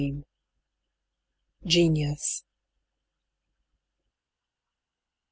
GENIUS.